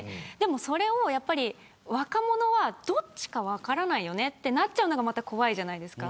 それを若者はどっちか分からないよねってなっちゃうのが怖いじゃないですか。